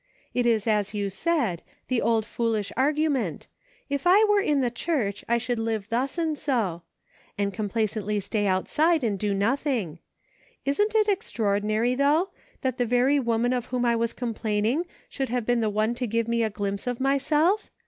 It is as you said, the old foolish argument :' If I were in the Church, I should live thus and so,' and complacently stay outside and do nothing. Isn't A GREAT MANY "LITTLE THINGS." 285 it extraordinary, though, that the very woman of whom I was complaining should have been the one to give me a glimpse of myself